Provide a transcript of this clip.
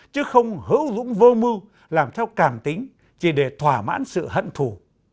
chứ không hữu dũng vơ mưu làm theo cảm tính chỉ để thỏa mãn sự hận thù